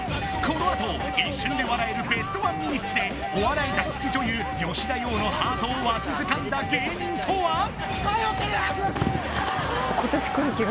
このあと一瞬で笑えるベストワンミニッツでお笑い大好き女優吉田羊のハートをわしづかんだ芸人とは！？